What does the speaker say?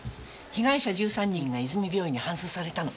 被害者１３人がいずみ病院に搬送されたの。